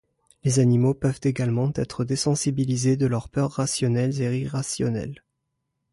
Les animaux peuvent également être désensibilisés de leurs peurs rationnelles et irrationnelles.